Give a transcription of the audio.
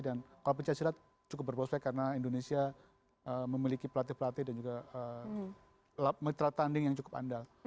dan kalau pencak silat cukup berpospek karena indonesia memiliki pelatih pelatih dan juga mitra tanding yang cukup andal